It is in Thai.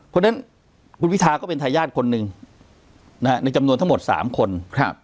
เพราะฉะนั้นคุณวิทาก็เป็นทายาทคนหนึ่งในจำนวนทั้งหมด๓คน